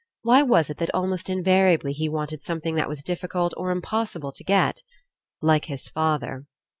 Why was it that almost invariably he wanted something that was difficult or impossible to get? Like his father.